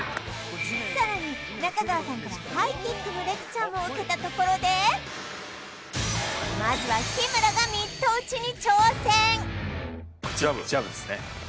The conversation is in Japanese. さらに中川さんからハイキックのレクチャーも受けたところでまずはジャブですね